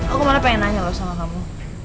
aku kemarin pengen nanya loh sama kamu